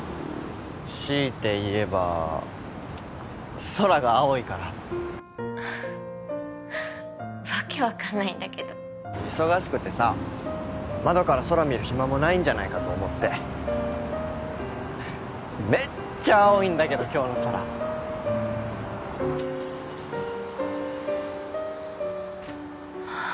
強いて言えば空が青いから訳分かんないんだけど忙しくてさ窓から空見る暇もないんじゃないかと思ってめっちゃ青いんだけど今日の空あっ